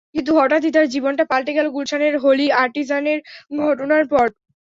কিন্তু হঠাৎই তাঁর জীবনটা পাল্টে গেল গুলশানের হলি আর্টিজানের ঘটনার পর।